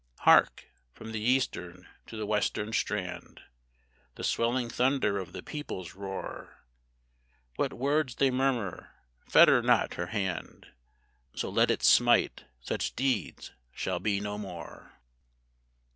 Hark, from the eastern to the western strand, The swelling thunder of the people's roar: What words they murmur, Fetter not her hand! So let it smite, such deeds shall be no more!